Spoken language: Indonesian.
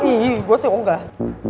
ih gue sih enggak